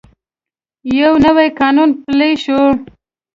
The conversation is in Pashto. یو نوی قانون پلی شو.